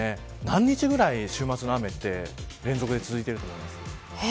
何日ぐらい週末の雨連続で続いていると思いますか。